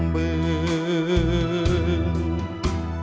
ขอบคุณครับ